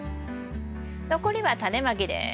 残りはタネまきです。